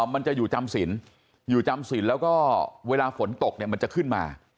มันจะอยู่จำสินอยู่จำศิลป์แล้วก็เวลาฝนตกเนี่ยมันจะขึ้นมา